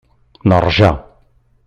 Neṛja.